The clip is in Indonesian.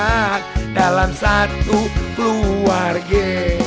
asap lima keluarga